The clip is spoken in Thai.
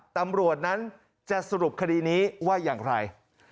ตำรวจนั้นจะสรุปคดีนี้ว่าอย่างไร